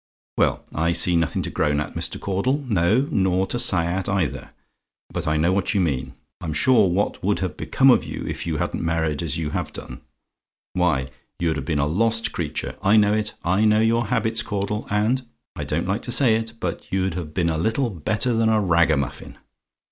Well! I see nothing to groan at, Mr. Caudle no, nor to sigh at either; but I know what you mean: I'm sure, what would have become of you if you hadn't married as you have done why, you'd have been a lost creature! I know it; I know your habits, Caudle; and I don't like to say it, but you'd have been little better than a ragamuffin.